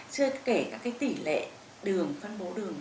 chưa kể cả cái tỷ lệ đường phân bố đường